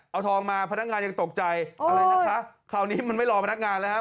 เอาทองมาพนักงานยังตกใจอะไรนะคะคราวนี้มันไม่รอพนักงานแล้วครับ